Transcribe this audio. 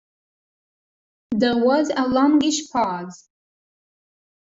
There was a longish pause.